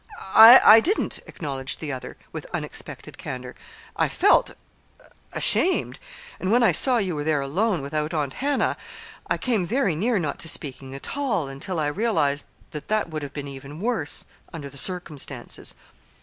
"I didn't," acknowledged the other, with unexpected candor. "I felt ashamed. And when I saw you were there alone without Aunt Hannah, I came very near not speaking at all until I realized that that would be even worse, under the circumstances."